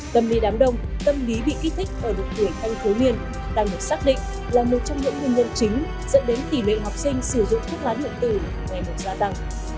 tâm lý đám đông tâm lý bị kích thích ở độ tuổi thanh thiếu niên đang được xác định là một trong những nguyên nhân chính dẫn đến tỷ lệ học sinh sử dụng thuốc lá điện tử ngày một gia tăng